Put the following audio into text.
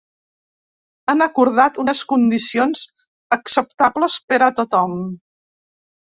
Han acordat unes condicions acceptables per a tothom.